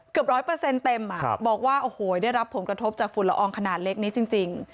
เกือบร้อยเปอร์เซ็นต์เต็มบอกว่าโอ้โหได้รับผมกระทบจากฝุ่นละอองขนาดเล็กนี้จริง